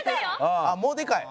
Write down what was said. もうでかい。